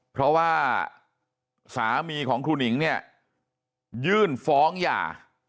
เพราะว่าสามีของครูหนิงเนี่ยยื่นฟ้องหย่า